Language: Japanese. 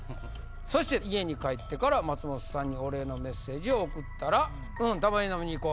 そして「家に帰ってから松本さんにお礼のメッセージを送ったら」。